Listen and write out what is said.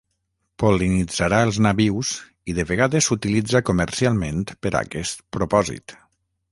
Pol·linitzarà els nabius i de vegades s'utilitza comercialment per a aquest propòsit.